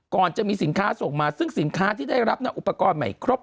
ก่อนจะมีสินค้าส่งมาซึ่งสินค้าที่ได้รับอุปกรณ์ใหม่ครบ